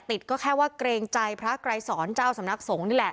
ก็แค่ว่าเกรงใจพระไกรสอนเจ้าสำนักสงฆ์นี่แหละ